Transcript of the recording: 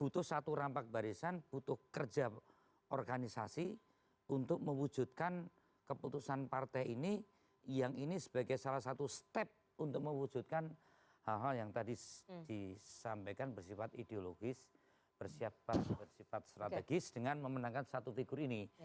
butuh satu rampak barisan butuh kerja organisasi untuk mewujudkan keputusan partai ini yang ini sebagai salah satu step untuk mewujudkan hal hal yang tadi disampaikan bersifat ideologis bersiap bersifat strategis dengan memenangkan satu figur ini